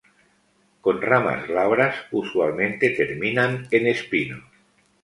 Con ramas glabras, usualmente terminan en espinos.